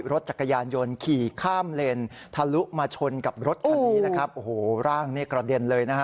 รถจักรยานยนต์ขี่ข้ามเลนทะลุมาชนกับรถคันนี้นะครับโอ้โหร่างนี่กระเด็นเลยนะฮะ